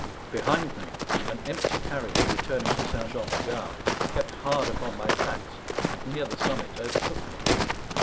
Behind me an empty carriage returning to St. Jean du Gard kept hard upon my tracks, and near the summit overtook me.